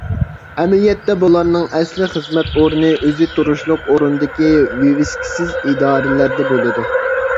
ئەمەلىيەتتە بۇلارنىڭ ئەسلى خىزمەت ئورنى ئۆزى تۇرۇشلۇق ئورۇندىكى ۋىۋىسكىسىز ئىدارىلەردە بولىدۇ.